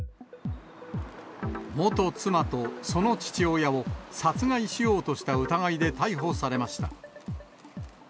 元妻とその父親を、殺害しようとした疑いで逮捕されました。